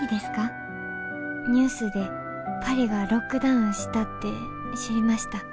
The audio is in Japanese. ニュースでパリがロックダウンしたって知りました。